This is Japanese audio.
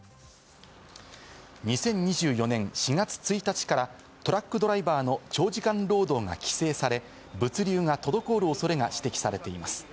２０２４年４月１日から、トラックドライバーの長時間労働が規制され、物流が滞る恐れが指摘されています。